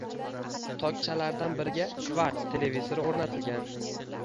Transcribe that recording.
Tokchalardan biriga «Kvarts» televizori oʼrnatilgan.